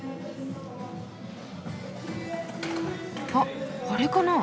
あっこれかな？